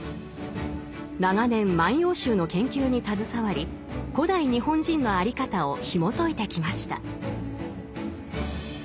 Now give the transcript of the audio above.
長年「万葉集」の研究に携わり古代日本人の在り方をひもといてきました。